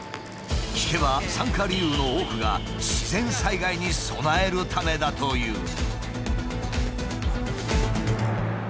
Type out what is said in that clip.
聞けば参加理由の多くが自然災害に備えるためだという。